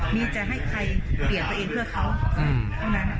มีใจให้ใครเปลี่ยนตัวเองเพื่อเขา